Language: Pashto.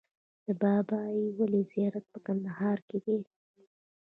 د بابای ولي زیارت په کندهار کې دی